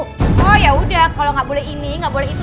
tapi ya udah kalau nggak boleh ini nggak boleh itu